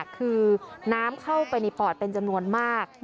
คือน้ำเข้าไปในปอดเป็นจำนวนมาก